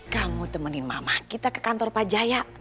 kamu temenin mama kita ke kantor pak jaya